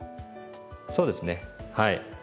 そうですねはい。